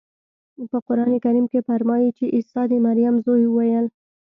په قرانکریم کې فرمایي چې عیسی د مریم زوی وویل.